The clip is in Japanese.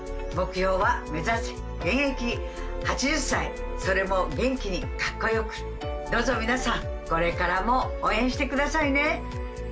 目標は目指せ現役８０歳それも元気にかっこよくどうぞ皆さんこれからも応援してくださいね